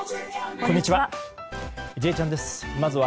こんにちは。